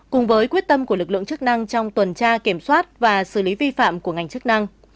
cùng với quyết tâm của lực lượng chức năng trong tuần tra kiểm soát và xử lý vi phạm của ngành chức năng